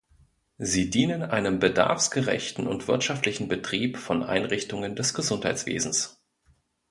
Sie dienen einem bedarfsgerechten und wirtschaftlichen Betrieb von Einrichtungen des Gesundheitswesens.